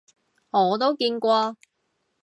我都見過